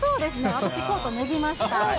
私、コート脱ぎました。